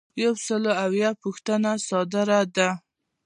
یو سل او اویایمه پوښتنه صادره ده.